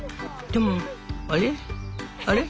でもあれ？